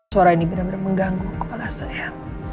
suara ini benar benar mengganggu kepala saya